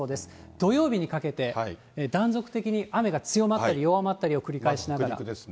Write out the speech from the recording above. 土曜日にかけて、断続的に雨が強まったり弱まったりを繰り返しながら。